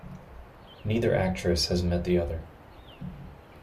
Neither actress has met the other.